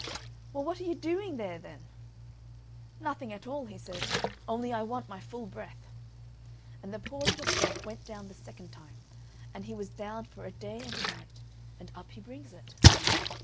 "Well, what are you doing there, then?" "Nothing at all," he said, "only I want my full breath;" and the poor little frog went down the second time, and he was down for a day and a night, and up he brings it.